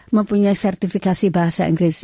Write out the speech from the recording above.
mempunyai sertifikasi bahasa inggris